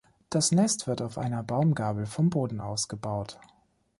Das Nest wird auf einer Baumgabel vom Boden aus gebaut.